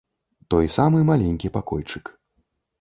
Той самы маленькі пакойчык.